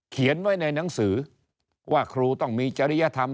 เขียนไว้ในหนังสือว่าครูต้องมีจริยธรรม